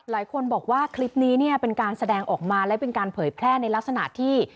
หลายคนบอกว่าคลิปนี้เนี่ยเป็นการแสดงออกมาและเป็นการเผยแพร่ในลักษณะที่